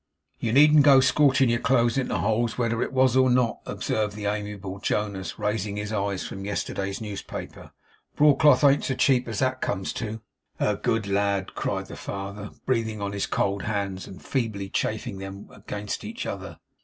'You needn't go scorching your clothes into holes, whether it was or not,' observed the amiable Jonas, raising his eyes from yesterday's newspaper, 'Broadcloth ain't so cheap as that comes to.' 'A good lad!' cried the father, breathing on his cold hands, and feebly chafing them against each other.